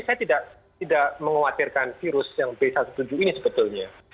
tadi saya tidak mengkhawatirkan virus yang b tujuh belas ini sebetulnya